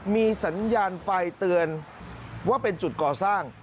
มีสัญญาณไฟเตือนว่าเป็นจุดก่อสร้าง